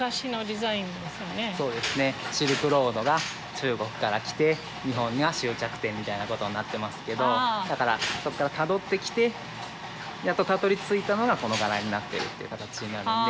シルクロードが中国から来て日本が終着点みたいな事になってますけどだからそこからたどってきてやっとたどりついたのがこの柄になってるっていう形になるので。